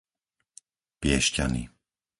Piešťany